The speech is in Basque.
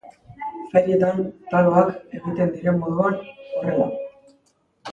Ferietan taloak egiten diren moduan, horrela.